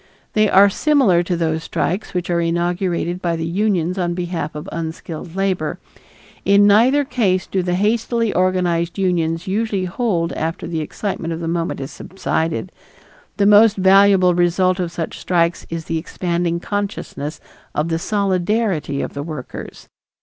They are similar to those strikes which are inaugurated by the unions on behalf of unskilled labor. In neither case do the hastily organized unions usually hold after the excitement of the moment has subsided, and the most valuable result of such strikes is the expanding consciousness of the solidarity of the workers.